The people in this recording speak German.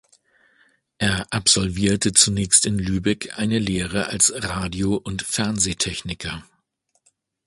Er absolvierte zunächst in Lübeck eine Lehre als Radio- und Fernsehtechniker.